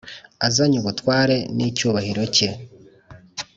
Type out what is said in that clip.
azany’ubutware - n’icyubahiro cye.